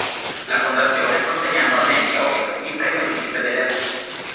La fondazione consegna annualmente a Oviedo il "Premio Principe delle Asturie".